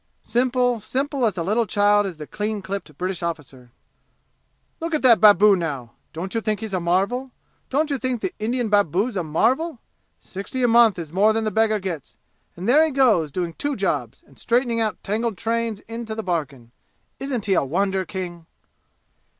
Simple, simple as a little child is the clean clipped British officer. "Look at that babu, now. Don't you think he's a marvel? Don't you think the Indian babu's a marvel? Sixty a month is more than the beggar gets, and there he goes, doing two jobs and straightening out tangled trains into the bargain! Isn't he a wonder, King?"